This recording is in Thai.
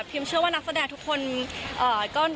เชื่อว่านักแสดงทุกคน